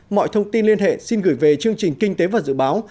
mọi thông tin liên hệ xin gửi về chương trình kinh tế và dự báo